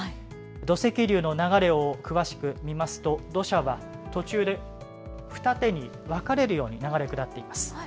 土石流の流れを詳しく見ますと土砂は途中で二手に分かれるように流れ下っています。